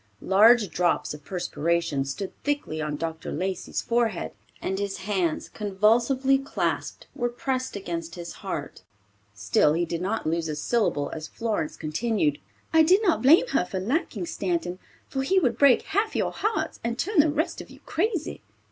Large drops of perspiration stood thickly on Dr. Lacey's forehead, and his hands, convulsively clasped, were pressed against his heart; still he did not lose a syllable as Florence continued, "I did not blame her for liking Stanton, for he would break half your hearts and turn the rest of you crazy."